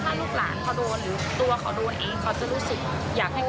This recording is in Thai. ความเป็นคนคนเรามีทุกคนต่อให้หมากัดไก่เขาเขาก็รู้สึกเสียใจ